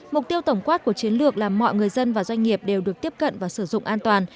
mục tiêu tổng quát của chiến lược là mọi người dân và doanh nghiệp đều được tiếp cận và sử dụng an toàn